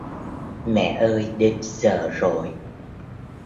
Mẹ ơi đến giờ rồi